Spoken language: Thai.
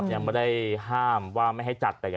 ยังไม่ได้ห้ามว่าไม่ให้จัด